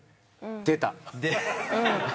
出た。